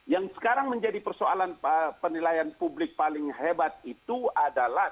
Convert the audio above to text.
yang sekarang menjadi persoalan penilaian publik paling hebat itu adalah